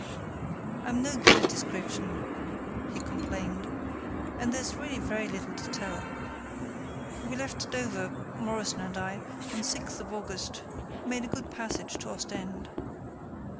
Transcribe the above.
"I'm no good at description," he complained; "and there's really very little to tell. We left Dover—Morrison and I—on the 6th of August; made a good passage to Ostend."